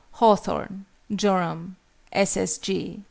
HAWTHORN. JORAM. S.